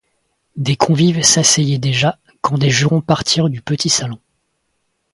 Des convives s'asseyaient déjà, quand des jurons partirent du petit salon.